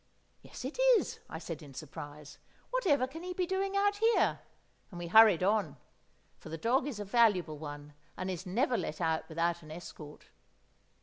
"Yes, it is," I said in surprise. "Whatever can he be doing out here?" and we hurried on; for the dog is a valuable one, and is never let out without an escort.